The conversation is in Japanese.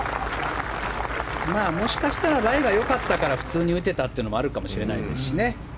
もしかしたらライが良かったから普通に打てたのもあるかもしれないですしね。